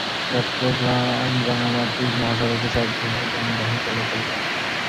চট্টগ্রাম-রাঙ্গামাটি মহাসড়কে সব ধরনের যানবাহন চলাচল করে।